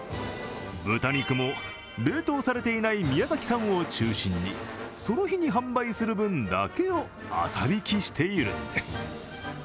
豚肉も、冷凍されていない宮崎産を中心にその日に販売する分だけを朝びきしているんです。